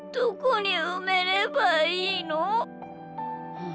うん。